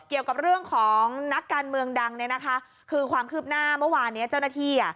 เกี่ยวกับเรื่องของนักการเมืองดังเนี่ยนะคะคือความคืบหน้าเมื่อวานเนี้ยเจ้าหน้าที่อ่ะ